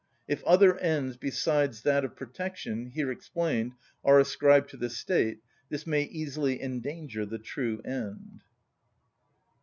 If other ends besides that of protection, here explained, are ascribed to the State, this may easily endanger the true end.